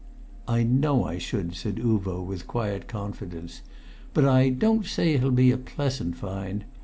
"I know I should," said Uvo with quiet confidence. "But I don't say it'll be a pleasant find.